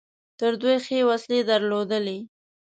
تر دوی ښې وسلې درلودلې.